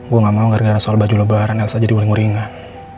gue gak mau gara gara soal baju lebaran elsa jadi waring uringan